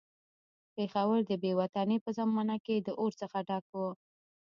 پېښور د بې وطنۍ په زمانه کې د اور څخه ډک وو.